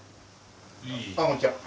ああこんにちは。